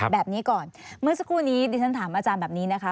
แบบนี้ก่อนเมื่อสักครู่นี้ดิฉันถามอาจารย์แบบนี้นะคะ